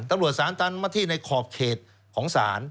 ตำรวจศาลตันมาที่ในขอบเขตของศาล